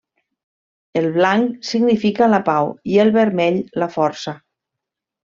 El blanc significa la pau i el vermell la força.